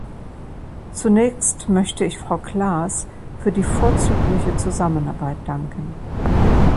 Zunächst möchte ich Frau Klaß für die vorzügliche Zusammenarbeit danken.